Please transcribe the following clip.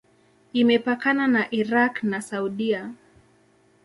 Imepakana na Irak na Saudia.